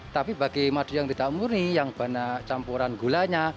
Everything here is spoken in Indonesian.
tapi bagi madu yang tidak murni yang banyak campuran gulanya